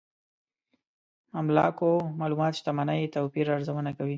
املاکو معلومات شتمنۍ توپير ارزونه کوي.